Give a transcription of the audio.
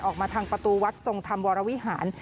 ออกมาทางประตูวัดทรงธรรมวรวิหาร